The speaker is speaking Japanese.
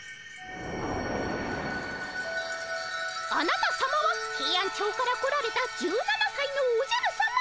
あなたさまはヘイアンチョウから来られた１７さいのおじゃるさま。